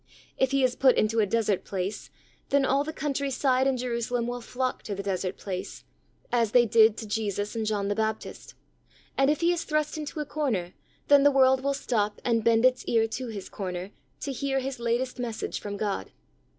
If he is put into a desert place, then all the country side and Jerusalem will flock to the desert ^lace, as they did to Jesus and John the Baptist; and if he is thrust into a corner, then the world will stop and bend its ear to his corner to hear his latest message from God.